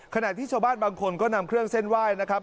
ขณะที่ชาวบ้านบางคนก็นำเครื่องเส้นไหว้นะครับ